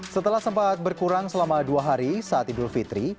setelah sempat berkurang selama dua hari saat idul fitri